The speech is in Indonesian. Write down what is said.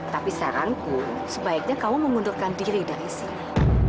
tapi saranku sebaiknya kamu mengundurkan diri dari sini